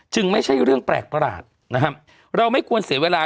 ไม่ใช่เรื่องแปลกประหลาดนะครับเราไม่ควรเสียเวลา